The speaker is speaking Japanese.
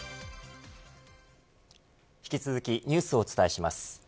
引き続きニュースをお伝えします。